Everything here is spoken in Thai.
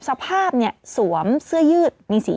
สภาพสวมเสื้อยืดมีสี